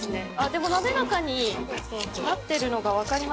でも滑らかになってるのが分かります。